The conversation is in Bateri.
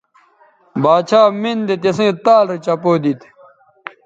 باڇھا مِن دے تِسیئں تال رے چپو دیتھ